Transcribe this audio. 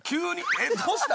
えっどうした？